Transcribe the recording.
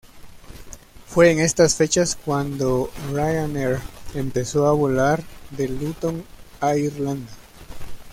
Fue en estas fechas cuando Ryanair empezó a volar de Luton a Irlanda.